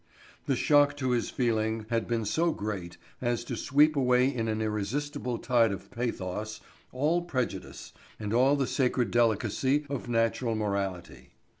The shock to his feeling had been so great as to sweep away in an irresistible tide of pathos, all prejudice, and all the sacred delicacy of natural morality.